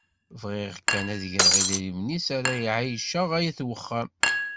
Bɣiɣ kan ad d-greɣ idrimen iss ara εeyyceɣ ayt uxxam.